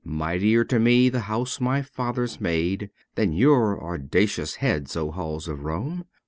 Mightier to me the house my fathers made Than your audacious heads, Halls of Rome